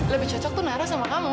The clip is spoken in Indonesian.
lebih cocok tuh nara sama kamu